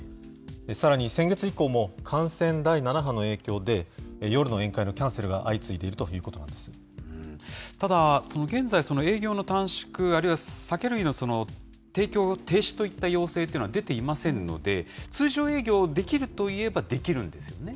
さらに、先月以降も感染第７波の影響で、夜の宴会のキャンセルが相次いでただ、現在、その営業の短縮、あるいは酒類の提供停止といった要請というのは出ていませんので、通常営業できるといえばできるんですよね。